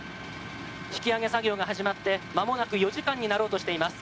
引き揚げ作業が始まってまもなく４時間になろうとしています。